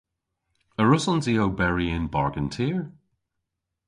A wrussons i oberi yn bargen tir?